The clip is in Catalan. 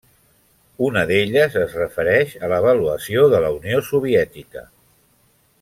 Una d'elles es refereix a l'avaluació de la Unió Soviètica.